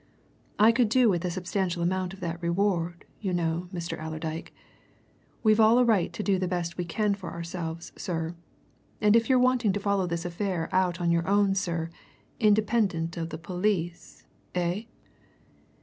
I could do with a substantial amount of that reward, you know, Mr. Allerdyke. We've all a right to do the best we can for ourselves, sir. And if you're wanting to, follow this affair out on your own, sir, independent of the police eh?"